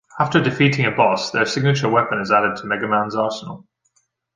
After defeating a boss, their signature weapon is added to Mega Man's arsenal.